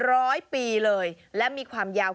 ร้อยปีเลยและมีความยาว